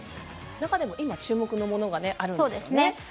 中でも今注目のものがあるんですね。